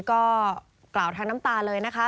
ก็กล่าวทั้งน้ำตาเลยนะคะ